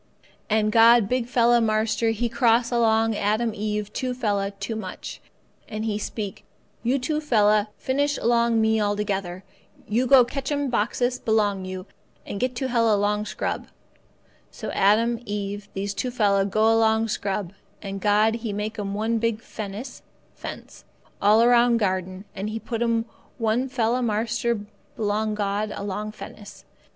"And God big fella marster He cross along Adam Eve two fella too much, and He speak, 'You two fella finish along me altogether. You go catch 'm bokkis (box) belong you, and get to hell along scrub.' "So Adam Eve these two fella go along scrub. And God He make 'm one big fennis (fence) all around garden and He put 'm one fella marster belong God along fennis.